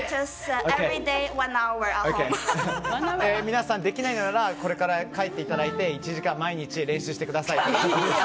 皆さん、できないならこれから帰っていただいて１時間、毎日練習してくださいということで。